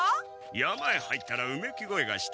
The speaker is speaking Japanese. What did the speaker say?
山へ入ったらうめき声がして。